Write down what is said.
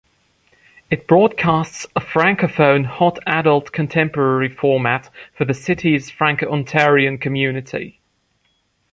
It broadcasts a francophone hot adult contemporary format for the city's franco-ontarian community.